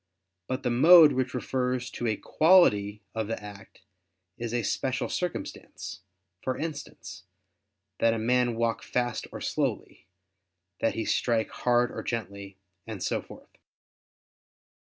But the mode which refers to a quality of the act is a special circumstance; for instance, that a man walk fast or slowly; that he strike hard or gently, and so forth.